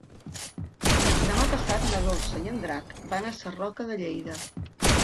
Demà passat na Dolça i en Drac van a Sarroca de Lleida.